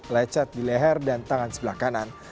lecet di leher dan tangan sebelah kanan